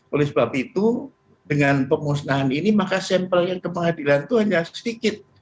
oleh sebab itu dengan pemusnahan ini maka sampelnya ke pengadilan itu hanya sedikit